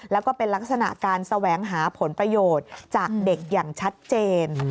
แล้วก็เป็นลักษณะการแสวงหาผลประโยชน์จากเด็กอย่างชัดเจน